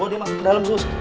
bawa dia masuk ke dalam suster